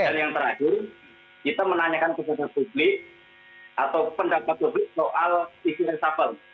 dan yang terakhir kita menanyakan kepada publik atau pendapat publik soal isi risafel